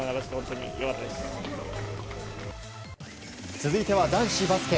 続いては男子バスケ。